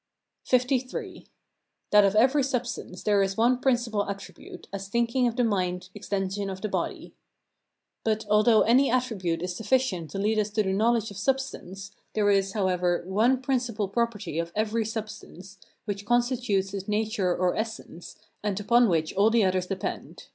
LIII. That of every substance there is one principal attribute, as thinking of the mind, extension of the body. But, although any attribute is sufficient to lead us to the knowledge of substance, there is, however, one principal property of every substance, which constitutes its nature or essence, and upon which all the others depend.